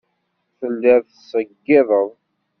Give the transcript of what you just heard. Telliḍ tettṣeyyideḍ.